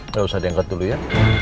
gak usah diangkat dulu ya